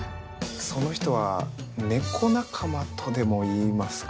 その人は猫仲間とでも言いますか。